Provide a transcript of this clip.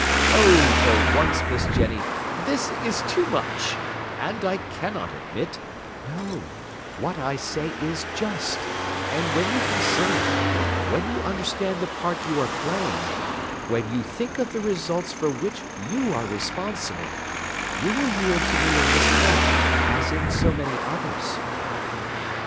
"Oh, for once, Miss Jenny, this is too much, and I cannot admit " "No; what I say is just, and when you consider it, when you understand the part you are playing, when you think of the results for which you are responsible, you will yield to me in this point, as in so many others."